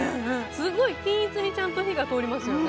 すごい、均一に火が通りますよね